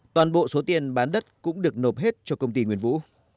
toàn bộ số tiền bán đất cũng được nộp hết cho công ty nguyên vũ